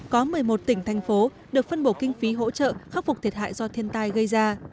có một mươi một tỉnh thành phố được phân bổ kinh phí hỗ trợ khắc phục thiệt hại do thiên tai gây ra